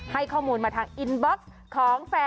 ให้มีข้อมูลออกมาทางอินบ็อกซ์